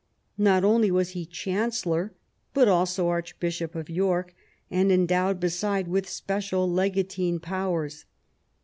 Not only was he chancellor, but also Archbishop of York, and endowed beside with special legatine powers.